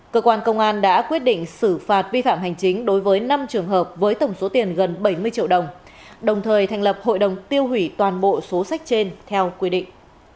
cơ quan công an đã quyết định xử phạt vi phạm hành chính đối với năm trường hợp với tổng số tiền gần bảy mươi triệu đồng đồng thời thành lập hội đồng tiêu hủy toàn bộ số sách trên theo quy định